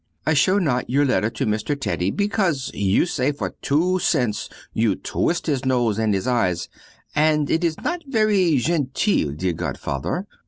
I show not your letter to Mr. Teddy because you say for two cents you twist his nose and his eyes and it is not very genteel, dear godfather.